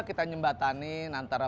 kita nyembatani antara